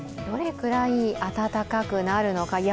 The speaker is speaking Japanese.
どれくらい暖かくなるのか。